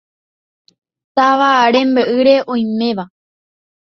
Táva rembe'ýre oiméva.